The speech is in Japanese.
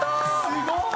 すごーい。